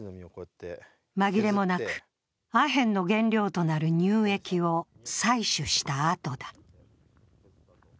紛れもなく、アヘンの原料となる乳液を採取したあとだ。